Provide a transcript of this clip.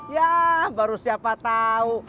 ya baru siapa tahu